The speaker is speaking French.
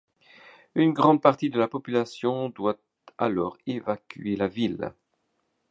Une grande partie de la population doit alors évacuer la ville.